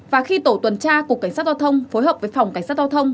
và khi tổ tuần tra cục cảnh sát giao thông phối hợp với phòng cảnh sát giao thông